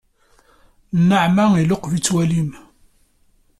Nnaɛma iluqeb-itt walim.